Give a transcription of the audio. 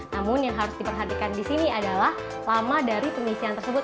namun yang harus diperhatikan di sini adalah lama dari pengisian tersebut